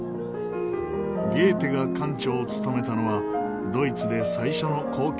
ゲーテが館長を務めたのはドイツで最初の公共図書館。